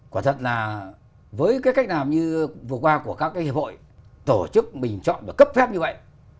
quả thật là với cái cách nào như vừa qua của các cái hiệp hội tổ chức mình chọn và cấp phép như vậy